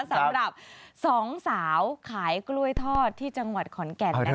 สำหรับ๒สาวขายกล้วยทอดที่จังหวัดขอนแก่น